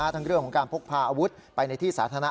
ทั้งเรื่องของการพกพาอาวุธไปในที่สาธารณะ